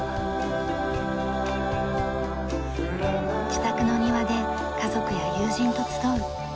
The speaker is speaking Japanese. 自宅の庭で家族や友人と集う。